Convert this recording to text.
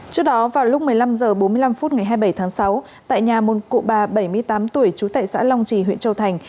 trước đó vào lúc một mươi năm h bốn mươi năm phút ngày hai mươi bảy tháng sáu tại nhà môn cụ bà bảy mươi tám tuổi chú tài sản long trì huyện châu thành